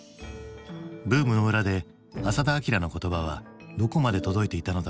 ブームの裏で浅田彰の言葉はどこまで届いていたのだろうか。